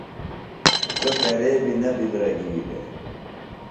سوۡ کرے بیۡ نہ بِدرَگی دےۡ۔